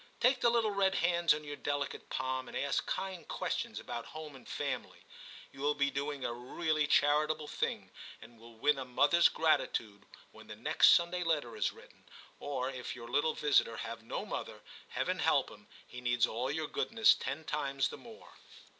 Take the little red hands in your delicate palm and ask kind questions about home and family; you will be doing a really charitable thing, and will win a mothers gratitude when the next Sunday letter is written; or if your little visitor have no mother, Heaven help him, he needs all your goodness ten times the more.